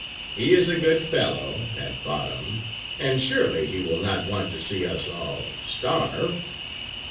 He is a good fellow, at bottom, and surely he will not want to see us all starve!"